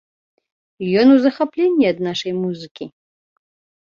Ён у захапленні ад нашай музыкі.